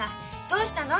どうしたの？